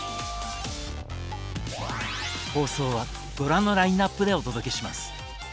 放送はご覧のラインナップでお届けします。